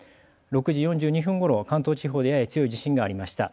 ６時４２分ごろ、関東地方でやや強い地震がありました。